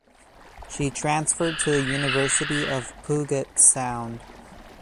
She transferred to the University of Puget Sound.